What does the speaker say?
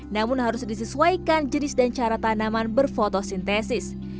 namun harus disesuaikan jenis dan cara tanaman berfotosintesis